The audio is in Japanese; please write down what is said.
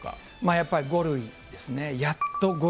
やっぱり５類ですね。